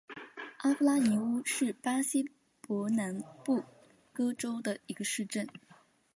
阿夫拉尼乌是巴西伯南布哥州的一个市镇。